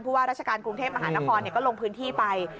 ว่าราชการกรุงเทพมหานครก็ลงพื้นที่ไป